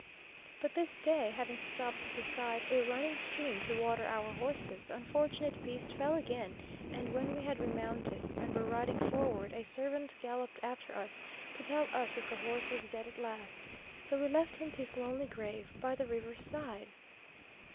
But this day, having stopped beside a running stream to water our horses, the unfortunate beast fell again, and when we had remounted, and were riding forward, a servant galloped after us, to tell us that the horse was dead at last; so we left him to his lonely grave by the river's side.